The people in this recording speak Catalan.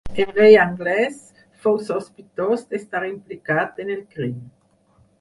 El rei anglès fou sospitós d'estar implicat en el crim.